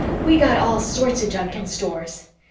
"We got all sorts of junk in Stores."